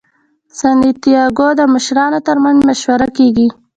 سانتیاګو د مشرانو ترمنځ مشهور کیږي.